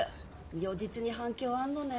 如実に反響あんのね。